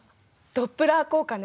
ドップラー効果ね。